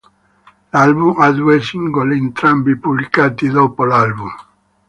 L'album ha due singoli, entrambi pubblicati dopo l'album.